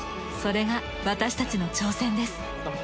それが私たちの挑戦です。